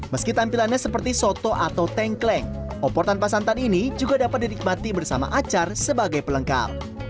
meski tampilannya seperti soto atau tengkleng opor tanpa santan ini juga dapat dinikmati bersama acar sebagai pelengkap